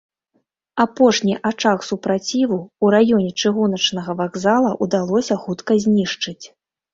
Апошні ачаг супраціву ў раёне чыгуначнага вакзала ўдалося хутка знішчыць.